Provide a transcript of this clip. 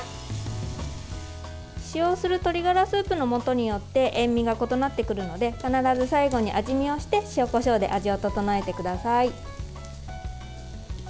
使用する鶏がらスープの素によって塩みが異なってくるので必ず最後に味見をして塩、こしょうで味を調えてください。